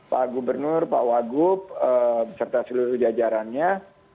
pak gubernur pak wagub beserta seluruh jajarannya